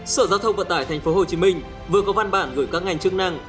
sở giao thông vận tải tp hcm vừa có văn bản gửi các ngành chức năng